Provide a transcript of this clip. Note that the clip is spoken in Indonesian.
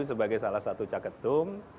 sebagai salah satu caketum